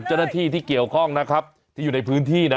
เจ้าหน้าที่ที่เกี่ยวข้องนะครับที่อยู่ในพื้นที่นะ